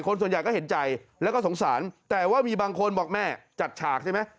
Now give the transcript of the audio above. ส่วนใหญ่ก็เห็นใจแล้วก็สงสารแต่ว่ามีบางคนบอกแม่จัดฉากใช่ไหม